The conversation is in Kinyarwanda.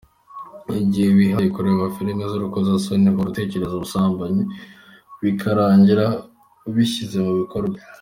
Igihe wihaye kureba filime z’urukozasoni, uhora utekereza ubusambanyi, bikarangira ubishyize mu bikorwa.